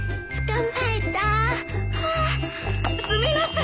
すみません！